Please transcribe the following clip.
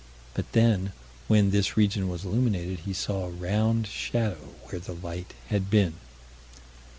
But then, when this region was illuminated, he saw a round shadow where the light had been.